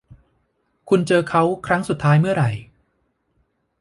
คุณเจอเค้าครั้งสุดท้ายเมื่อไหร่